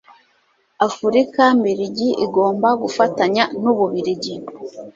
afurika mbiligi igomba gufatanya n'ububiligi